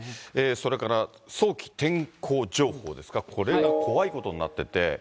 それから早期天候情報ですか、これが怖いことになってて。